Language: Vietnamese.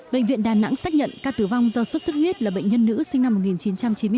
bệnh viện đà nẵng xác nhận ca tử vong do sốt xuất huyết là bệnh nhân nữ sinh năm một nghìn chín trăm chín mươi hai